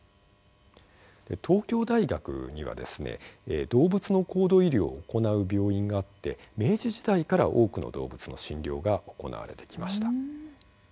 東京大学には動物の高度医療を行う病院があって明治時代から多くの動物の診療が行われてきました。